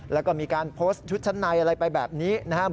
แล้วก็มีการโพสต์ชุดชั้นในอะไรไปแบบนี้นะครับ